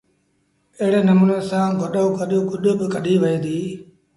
ايڙي نموٚني سآݩ گڏو گڏ گُڏ با ڪڍيٚ وهي ديٚ